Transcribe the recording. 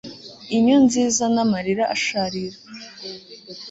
inyo nziza n'amarira asharira